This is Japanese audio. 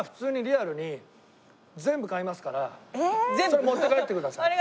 それ持って帰ってください。